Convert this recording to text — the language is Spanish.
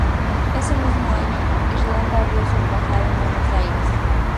Ese mismo año, Irlanda abrió su embajada en Buenos Aires.